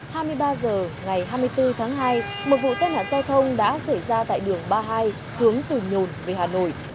hai mươi ba h ngày hai mươi bốn tháng hai một vụ tai nạn giao thông đã xảy ra tại đường ba mươi hai hướng từ nhồn về hà nội